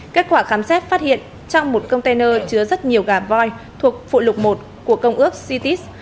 kết quả khám xét phát hiện trong một container chứa rất nhiều gà voi thuộc phụ lục một của công ước citis